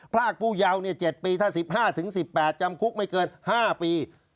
พรากผู้ยาวเจ็ดปีถ้าสิบห้าถึงสิบแปดจำคุกไม่เกินห้าปี